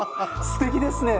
すてきですね。